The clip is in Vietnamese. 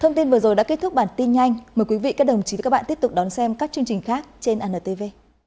thông tin vừa rồi đã kết thúc bản tin nhanh mời quý vị các đồng chí và các bạn tiếp tục đón xem các chương trình khác trên antv